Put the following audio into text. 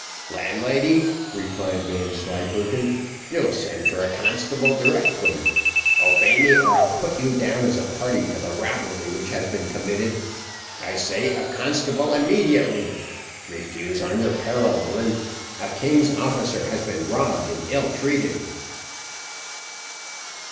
"Landlady," cried Vanslyperken, "you'll send for a constable directly. Obey me, or I'll put you down as a party to the robbery which has been committed. I say, a constable immediately. Refuse on your peril, woman; a king's officer has been robbed and ill treated."